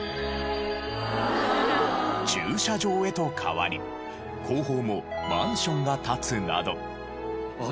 駐車場へと変わり後方もマンションが立つなど。